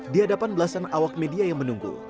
di hadapan belasan awak media yang menunggu